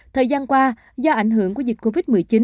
thời gian qua do ảnh hưởng của dịch covid một mươi chín